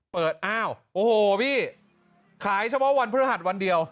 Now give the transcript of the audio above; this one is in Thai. อ้าวโอ้โหพี่ขายเฉพาะวันพฤหัสวันเดียว